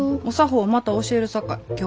お作法はまた教えるさかい。